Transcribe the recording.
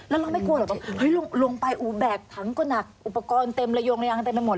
แล้วเราไม่กลัวเหรอลงไปอู๋แบกถังก็หนักอุปกรณ์เต็มระโยงระยางเต็มไปหมด